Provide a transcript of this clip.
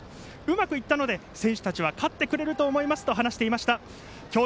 うまくいったので選手たちは勝ってくれると思いますということでした。